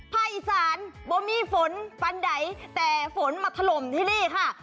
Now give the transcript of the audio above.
อีสานบ่มีฝนฟันใดแต่ฝนมาถล่มที่นี่ค่ะ